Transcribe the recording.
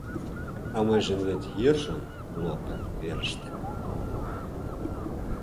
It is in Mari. А мыйжын вет йӧршын лоп верыште.